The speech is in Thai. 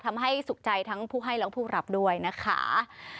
ทำให้สุขใจทั้งผู้ให้และผู้รับด้วยนะคะ